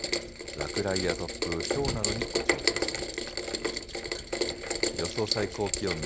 落雷や突風、ひょうなどにご注意ください。